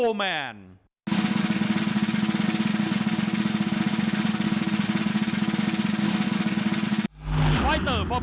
กรรมการเตือนทั้งคู่ครับ๖๖กิโลกรัม